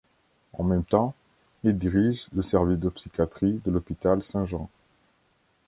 En même temps, il dirige le Service de Psychiatrie de l'hôpital Saint-Jean.